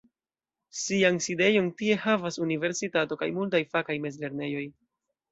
Sian sidejon tie havas Universitato kaj multaj fakaj mezlernejoj.